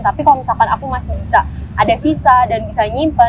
tapi kalau misalkan aku masih bisa ada sisa dan bisa nyimpen